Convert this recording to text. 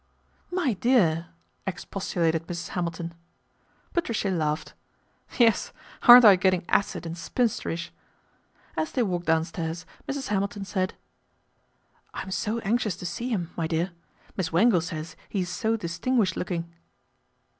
" My dear !" expostulated Mrs. Hamilton. Patricia laughed. "Yes, aren't I getting acid and spinsterish ?" As they walked downstairs Mrs. Hamilton said :" I'm so anxious to see him, my dear. Miss Wangle says he is so distinguished looking."